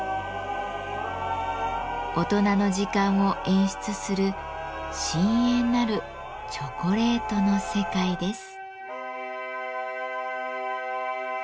大人の時間を演出する深遠なるチョコレートの世界です。